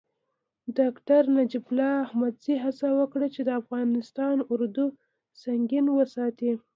ډاکتر نجیب الله احمدزي هڅه وکړه چې د افغانستان اردو سنګین وساتي.